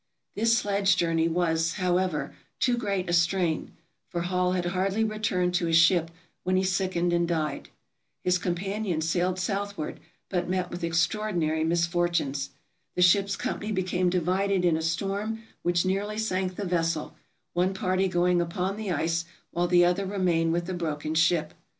This sledge journey was, however, too great a strain, for Hall had hardly returned to his ship when he sickened and died. His companions sailed southward, but met with extraordinary 454 TRAVELERS AND EXPLORERS misfortunes. The ship's company became divided in a storm which nearly sank the vessel, one party going upon the ice, while the other remained with the broken ship.